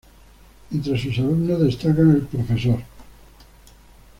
Entre sus alumnos destacan el Profr.